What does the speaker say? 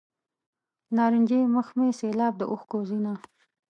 نارنجي مخ مې سیلاب د اوښکو ځینه.